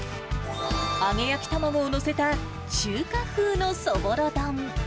揚げ焼き卵を載せた中華風のそぼろ丼。